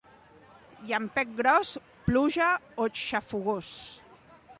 Llampec gros, pluja o xafogors.